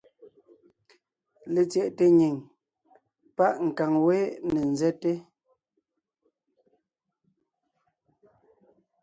Letsyɛʼte nyìŋ páʼ nkàŋ wé ne ńzɛ́te.